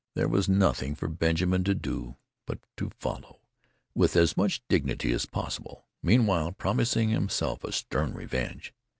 There was nothing for Benjamin to do but follow with as much dignity as possible meanwhile promising himself a stern revenge.